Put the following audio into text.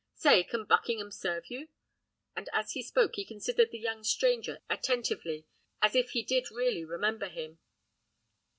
Say, can Buckingham serve you?" And as he spoke he considered the young stranger attentively, as if he did really remember him.